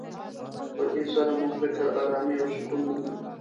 په دې سره مو فکر ارامي او سکون مومي.